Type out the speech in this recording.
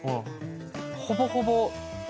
ほぼほぼ。